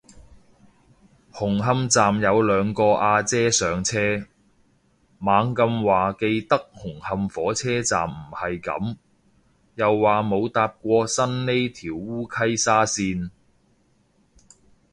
紅磡站有兩個阿姐上車，猛咁話記得紅磡火車站唔係噉，又話冇搭過新呢條烏溪沙綫